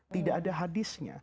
tidak ada hadisnya